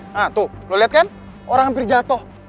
nah tuh lo liat kan orang hampir jatoh